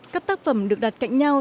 các tác phẩm được đặt cạnh nhau